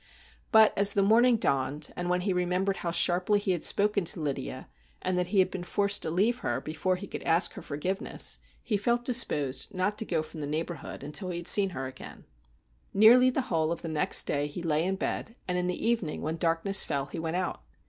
But as the morning dawned, and when he remembered how sharply he had spoken to Lydia, and that he had been forced to leave her before he could ask her forgiveness, he felt disposed not to go from the neighbourhood until he had seen her again, s 258 STORIES WEIRD AND WONDERFUL Nearly the whole of the next day he lay in bed, and in the evening when darkness fell he went out.